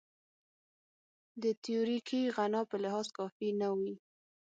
د تیوریکي غنا په لحاظ کافي نه وي.